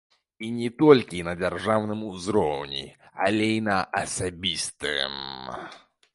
І не толькі на дзяржаўным узроўні, але і на асабістым.